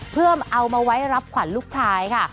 เพื่อเอามาไว้รับขวัญลูกชายค่ะ